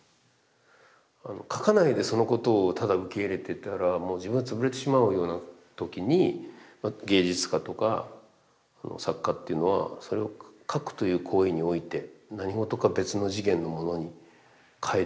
描かないでそのことをただ受け入れていたらもう自分が潰れてしまうようなときに芸術家とか作家っていうのはそれを描くという行為において何事か別の次元のものに変えている。